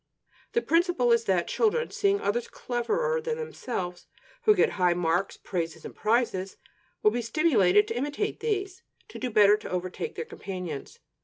The principle is that children, seeing others cleverer than themselves, who get high marks, praises and prizes, will be stimulated to imitate these, to do better, to overtake their companions.